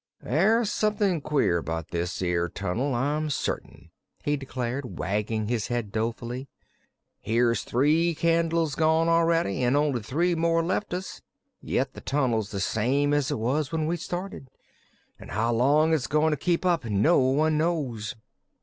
"There's somethin' queer about this 'ere tunnel, I'm certain," he declared, wagging his head dolefully. "Here's three candles gone a'ready, an' only three more left us, yet the tunnel's the same as it was when we started. An' how long it's goin' to keep up, no one knows."